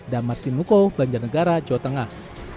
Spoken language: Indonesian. damar sinuko banjar negara jawa tengah